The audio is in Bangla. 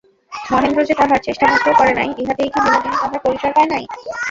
মহেন্দ্র যে তাহার চেষ্টামাত্রও করে নাই, ইহাতেই কি বিনোদিনী তাহার পরিচয় পায় নাই।